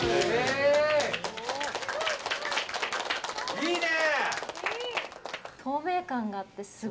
いいね！